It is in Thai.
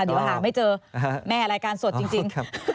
เดี๋ยวหาไม่เจอแม่รายการสดจริง